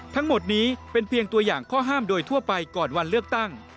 ทั้งหมดนี้เป็นเพียงตัวอย่างข้อห้ามโดยทั่วไปก่อนวันเลือกตั้ง